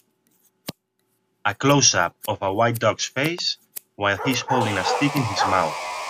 A closeup of a white dog 's face while he is holding a stick in his mouth.